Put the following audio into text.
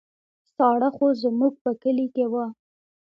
ساړه خو زموږ په کلي کې وو.